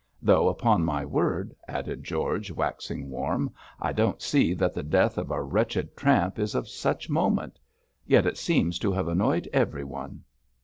Though, upon my word,' added George, waxing warm, 'I don't see that the death of a wretched tramp is of such moment; yet it seems to have annoyed everyone.'